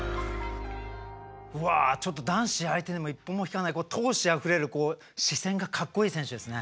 わ男子相手でも一歩も引かない闘志あふれる視線がかっこいい選手ですね。